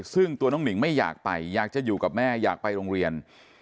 ซึ่งตัวน้องหนิงไม่อยากไปอยากจะอยู่กับแม่อยากไปโรงเรียน